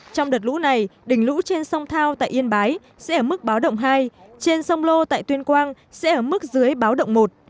trong đợt lũ này đỉnh lũ trên sông thao tại yên bái sẽ ở mức báo động hai trên sông lô tại tuyên quang sẽ ở mức dưới báo động một